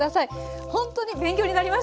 本当に勉強になりました。